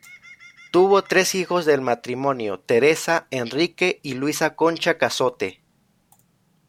Tuvo tres hijos del matrimonio, Teresa, Enrique y Luisa Concha Cazotte.